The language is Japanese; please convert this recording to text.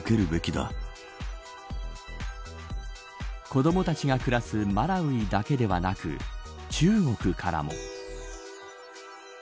子どもたちが暮らすマラウイだけではなく中国からも。